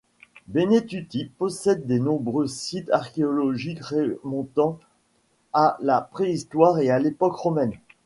Benetutti possède des nombreux sites archéologiques remontant à la préhistoire et à l'époque romaine.